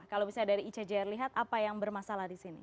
kalau misalnya dari icjr lihat apa yang bermasalah di sini